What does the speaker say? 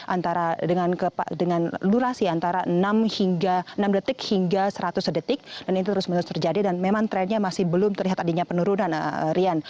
antara dengan durasi antara enam hingga enam detik hingga seratus detik dan itu terus menerus terjadi dan memang trennya masih belum terlihat adanya penurunan rian